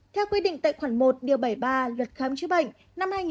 theo quy định tệ khoản một điều bảy mươi ba luật khám chữa bệnh năm hai nghìn chín